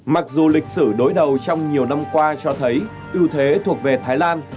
mặc dù lịch sử đối đầu trong nhiều năm qua cho thấy ưu thế thuộc về thái lan